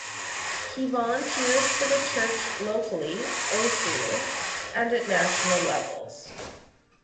He volunteers for the church locally (Osu) and at national levels.